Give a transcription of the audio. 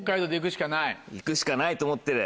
行くしかないと思ってる。